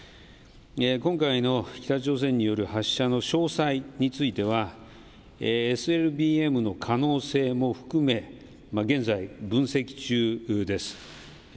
今回の北朝鮮による発射の詳細については、ＳＬＢＭの可能性も含め、現在、分析中です。